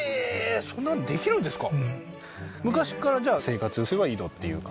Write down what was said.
そんなのできるんですか？